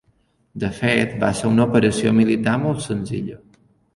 De fet, va ser una operació militar molt senzilla.